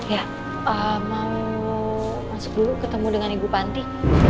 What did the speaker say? ya mau masuk dulu ketemu dengan ibu panti